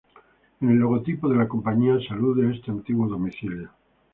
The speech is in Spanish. En el logotipo de la compañía se alude a este antiguo domicilio.